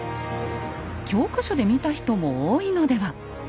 教科書で見た人も多いのでは。